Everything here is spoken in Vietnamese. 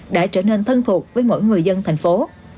đã trở nên thân thuộc với mỗi người dân thành phố